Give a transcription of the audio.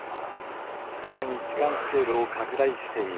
更に時間スケールを拡大してみます。